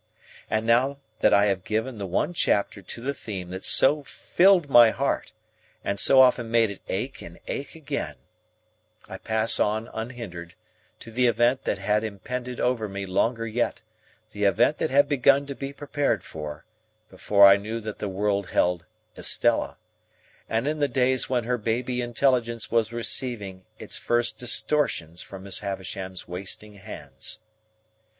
And now that I have given the one chapter to the theme that so filled my heart, and so often made it ache and ache again, I pass on unhindered, to the event that had impended over me longer yet; the event that had begun to be prepared for, before I knew that the world held Estella, and in the days when her baby intelligence was receiving its first distortions from Miss Havisham's wasting hands.